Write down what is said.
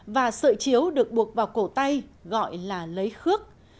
và sợi chiếu được buộc vào cổ tay gọi là lấy khước